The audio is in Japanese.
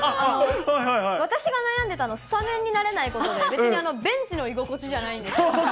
私が悩んでたの、スタメンになれないことで、別にベンチの居心地じゃないんですよ。